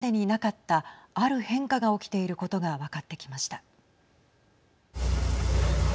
取材すると、これまでになかったある変化が起きていることが分かってきました。